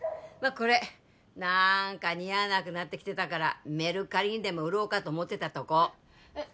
これなんか似合わなくなってきてたからメルカリにでも売ろうかと思ってたとこえっ